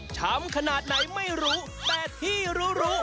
ถามขนาดไหนไม่รู้แต่ที่รู้